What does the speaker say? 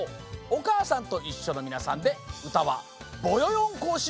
「おかあさんといっしょ」のみなさんでうたは「ぼよよん行進曲」。